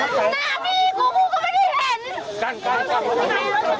ขอบคุณครับขอบคุณครับ